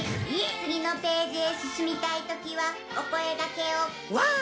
「次のページヘ進みたい時はお声がけを」わあ！